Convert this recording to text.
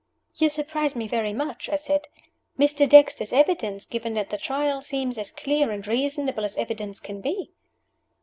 "You surprise me very much," I said. "Mr. Dexter's evidence, given at the Trial, seems as clear and reasonable as evidence can be."